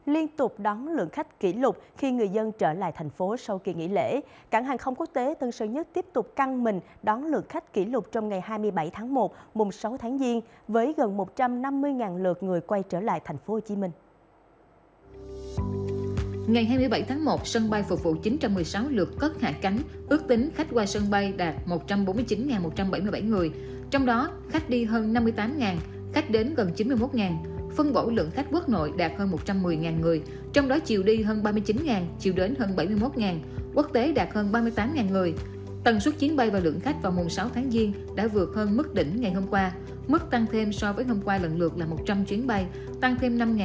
liên tục đón lượn khách kỷ lục khi người dân trở lại thành phố sau kỳ nghỉ lễ cảng hàng không quốc tế tân sơn nhất tiếp tục căng mình đón lượn khách kỷ lục trong ngày hai mươi bảy tháng một mùng sáu tháng diên với gần một trăm năm mươi lượt người quay trở lại thành phố hồ chí minh